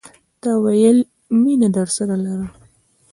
تا ويل، میینه درسره لرم